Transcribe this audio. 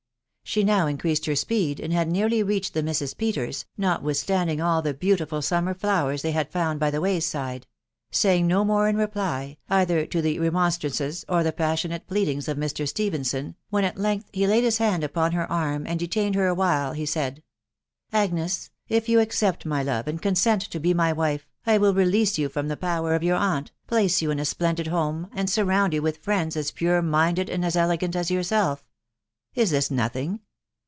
She now increased her speed, and had nearly reached the Misses Peters, notwithstanding all the beautiful summer flowers they had found by the way's side ; saying no more in reply, either to the remonstrances or the passionate pleading! of Mr. Stephenson, when at length he laid his hand upon her arm, and detained her while he said, " Agnes, if you accept my love, and consent to become my wife, I will release yo* Aom the power of your aunt, place you vn *. W&VSEA&&. i i y «■_—_. U.IUIM *HJB WIDOW BARNABT. J&6&* and surround you with friends as pure minded and as elegant as yourself. Is this nothing?